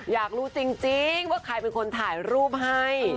อยากรู้จริงว่าใครเป็นคนถ่ายรูปให้